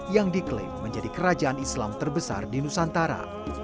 yang diklaim menjadi kerajaan islam terbesar di nusantara